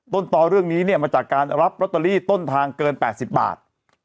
ตอเรื่องนี้เนี่ยมาจากการรับลอตเตอรี่ต้นทางเกิน๘๐บาท